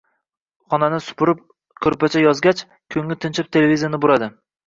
Xonani supurib, koʼrpacha yozgach, koʼngli tinchib televizorni buradi.